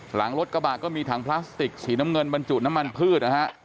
หลังรถกระบะก็มีถังพลาสติกสีน้ำเงินบรรจุน้ำมันพืชนะฮะ